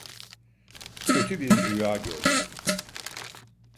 Kötü bir rüya gördüm.